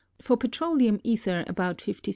for petroleum ether about 56° C.